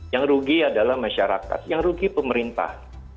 yang rugi adalah masyarakat yang rugi pemerintah